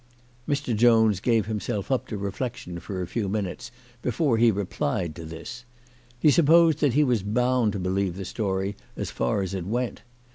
Mr. Jones gave himself up to reflection for a few moments before he replied to this. He supposed that he was bound to believe the story as far as it went.